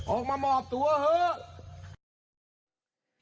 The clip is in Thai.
ออกมามอบตัวเถอะ